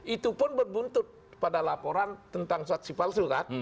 itu pun berbuntut pada laporan tentang saksi palsu kan